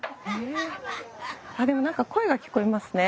でも何か声が聞こえますね。